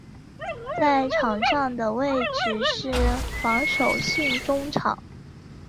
在场上的位置是防守型中场。